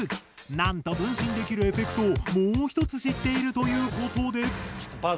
なんと分身できるエフェクトをもう一つ知っているということで。